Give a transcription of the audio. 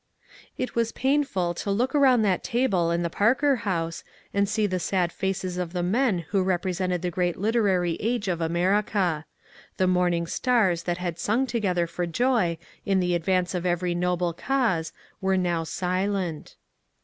It was painful to look around that table in the Parker House and see the sad faces of the men who represented the great literary age of America. The morning stars that had sung together for joy in the advance of every noble cause were now silent.